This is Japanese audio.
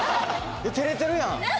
照れてるやん！